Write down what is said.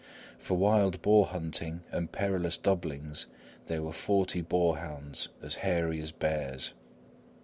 For wild boar hunting and perilous doublings, there were forty boarhounds as hairy as bears.